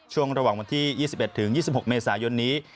ช่วงระหว่างวันที่๒๑๒๖เมษายนนี้